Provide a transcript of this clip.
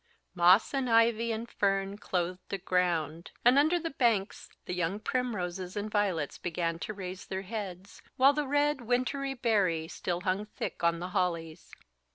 Moss and ivy and fern clothed the ground; and under the banks the young primroses and violets began to raise their heads; while the red wintry berry still hung thick on the hollies.